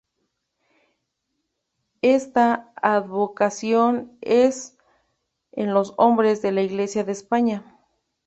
Esta advocación es en los nombres de las iglesias de España.